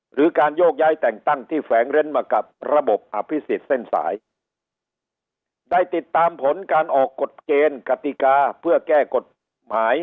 การโยกย้ายแต่งตั้งที่แฝงเร้นมากับระบบอภิษฎเส้นสายได้ติดตามผลการออกกฎเกณฑ์กติกาเพื่อแก้กฎหมาย